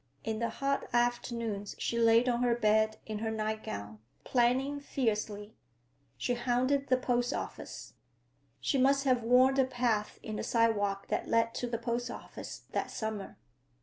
In the hot afternoons she lay on her bed in her nightgown, planning fiercely. She haunted the post office. She must have worn a path in the sidewalk that led to the post office, that summer.